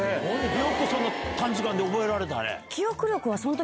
よく短時間で覚えられたね。